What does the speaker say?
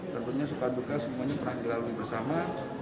tentunya sepanjang duka semuanya pernah berlalu bersama